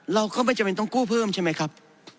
เราก็ไม่จำเป็นต้องกู้เพิ่มใช่ไหมครับ